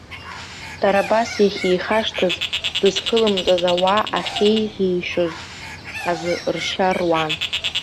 Дара абас иахьихашҭыз, дызхылымҵыз ауаа ахьеиӷьеишьоз азы ршьа руан.